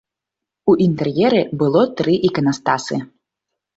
У інтэр'еры было тры іканастасы.